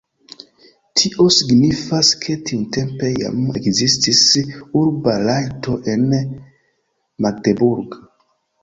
Tio signifas, ke tiutempe jam ekzistis urba rajto en Magdeburg.